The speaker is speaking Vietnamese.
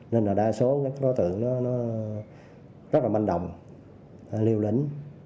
nên đa số đối tượng rất là manh đồng liều lĩnh